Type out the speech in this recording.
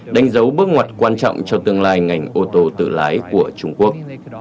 đánh dấu bước ngoặt quan trọng cho tương lai ngành ô tô tự lái của trung quốc